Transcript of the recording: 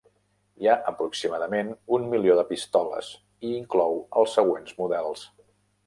Hi ha aproximadament un milió de pistoles, i inclou els següents models.